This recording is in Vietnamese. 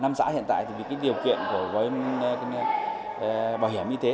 năm xã hiện tại thì vì cái điều kiện của gói bảo hiểm y tế